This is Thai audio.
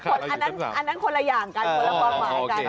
อันนั้นคนละอย่างกัน